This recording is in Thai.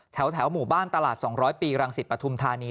แถวหมู่บ้านตลาด๒๐๐ปีรังสิตปฐุมธานี